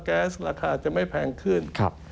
แก๊สราคาจะไม่แพงขึ้น